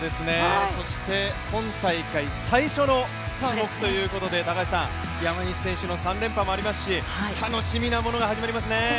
そして、今大会最初の種目ということで山西選手の３連覇もありますし楽しみなものが始まりますね！